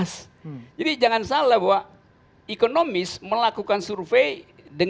sini mengungkapkan ada banyak terang